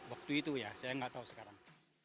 waktu itu ya saya nggak tahu sekarang